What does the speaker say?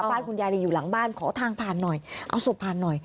บ้านคุณยายอยู่หลังบ้านขอทางผ่านหน่อยเอาศพผ่านหน่อย